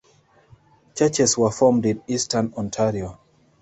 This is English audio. Churches were formed in eastern Ontario.